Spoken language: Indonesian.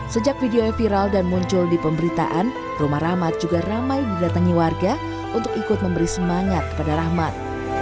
sejak videonya viral dan muncul di pemberitaan rumah rahmat juga ramai didatangi warga untuk ikut memberi semangat kepada rahmat